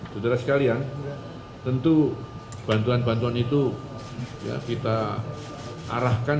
saudara sekalian tentu bantuan bantuan itu kita arahkan